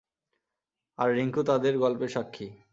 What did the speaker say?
আর রিংকু তাদের গল্পের সাক্ষী।